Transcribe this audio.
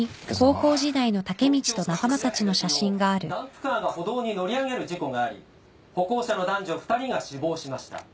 東京都渋谷区で昨日ダンプカーが歩道に乗り上げる事故があり歩行者の男女２人が死亡しました。